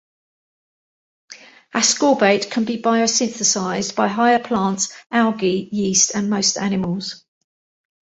Ascorbate can be biosynthesized by higher plants, algae, yeast and most animals.